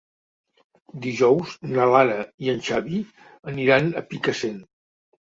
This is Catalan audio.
Dijous na Lara i en Xavi aniran a Picassent.